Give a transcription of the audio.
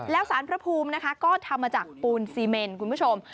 แล้วสารพระภูมินะคะก็ทำมาจากปูนซีเมนคุณผู้ชม